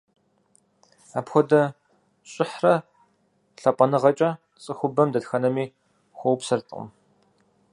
Апхуэдэ щӀыхьрэ лъапӀэныгъэкӀэ цӀыхубэр дэтхэнэми хуэупсэркъым.